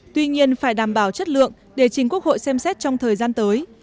tuy nhiên phải đảm bảo chất lượng để chính quốc hội xem xét trong thời gian tới